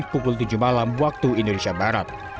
pukul tujuh malam waktu indonesia barat